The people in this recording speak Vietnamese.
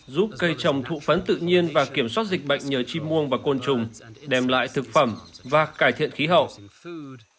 giúp cây trồng thụ phấn tự nhiên và kiểm soát dịch bệnh nhờ chim muông và côn trùng đem lại thực phẩm và cải thiện khí hậu